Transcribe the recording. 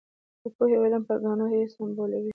د پوهې او علم پر ګاڼه یې سمبالوي.